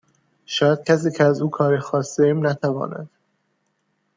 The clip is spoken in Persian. شاید کسی که از او کاری خواسته ایم نتواند